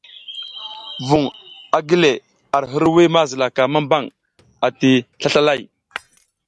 Vuŋ a gi le dana ar hirwuy ma zilaka mambang ati slaslalay.